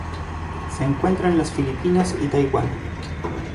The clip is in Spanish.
Se encuentra en las Filipinas y Taiwán.